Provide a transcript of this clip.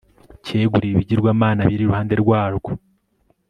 cyeguriwe ibigirwamana biri iruhande rwarwo